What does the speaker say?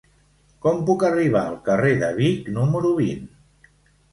Com puc arribar al carrer de Vic número vint?